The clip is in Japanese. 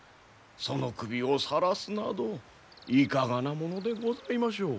その首をさらすなどいかがなものでございましょう。